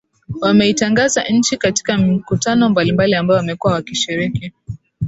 Wameitangaza nchi katika mikutano mbalimbali ambayo wamekuwa wakishiriki